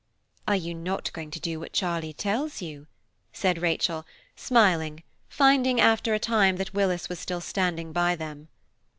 "Are you not going to do what Charlie tells you?" said Rachel, smiling, finding after a time that Willis was still standing by them.